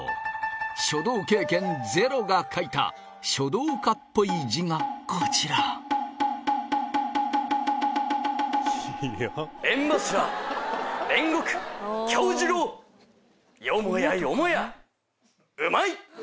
書道経験ゼロが書いた書道家っぽい字がこちら「よもやよもやうまい！」